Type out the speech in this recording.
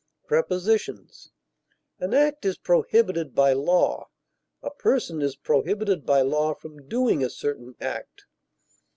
Prepositions: An act is prohibited by law; a person is prohibited by law from doing a certain act.